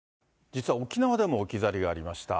実は沖縄でも置き去りがありました。